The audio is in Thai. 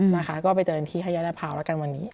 นะคะก็ไปเจอกันที่ให้ยาดาพาวแล้วกันวันนี้